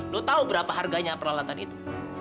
lo tahu berapa harganya peralatan itu